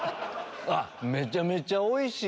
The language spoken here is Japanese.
めちゃめちゃおいしい！